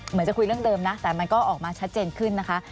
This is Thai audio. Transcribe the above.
เหมือนจะคุยเรื่องเดิมนะแต่มันก็ออกมาชัดเจนขึ้นนะคะ